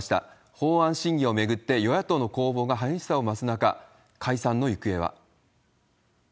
法案審議を巡って、与野党の攻防が激しさを増す中、解散の行方は。